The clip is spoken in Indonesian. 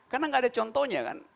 karena gak ada contohnya kan